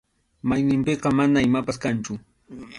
Mayninpiqa mana imapas kanchu.